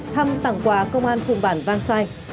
thăm tặng quà công an phùng bản văn xoay